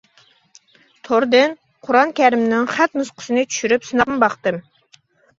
توردىن قۇرئان كەرىمنىڭ خەت نۇسخىسىنى چۈشۈرۈپ سىناپمۇ باقتىم.